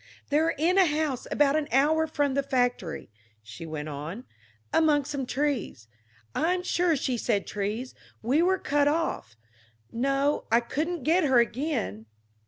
"They're in a house about an hour from the factory," she went on, "among some trees. I'm sure she said trees. We were cut off. No, I couldn't get her again....